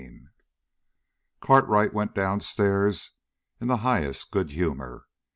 33 Cartwright went downstairs in the highest good humor.